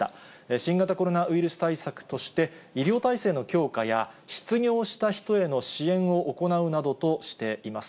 新型コロナウイルス対策として、医療体制の強化や失業した人への支援を行うなどとしています。